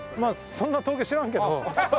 そんな東京知らんけど。